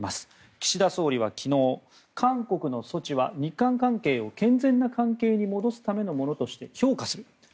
岸田総理は昨日韓国の措置は日韓関係を健全な関係に戻すためのものとして評価すると。